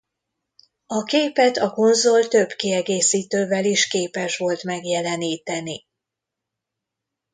A képet a konzol több kiegészítővel is képes volt megjeleníteni.